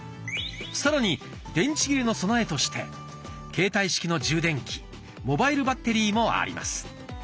さらに電池切れの備えとして携帯式の充電器「モバイルバッテリー」もあります。